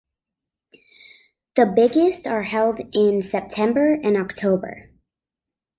The biggest are held in September and October.